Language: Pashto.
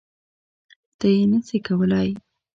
ته یی نه سی کولای